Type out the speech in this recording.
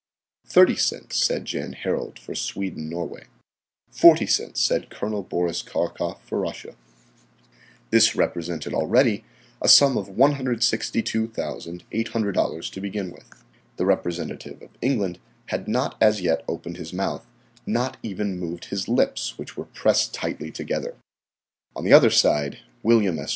"Thirty cents," said Jan Harald, for Sweden Norway. "Forty cents," said Col. Boris Karkof, for Russia. This represented already a sum of $162,800 to begin with. The representative of England had not as yet opened his mouth, not even moved his lips, which were pressed tightly together. On the other side Wm. S.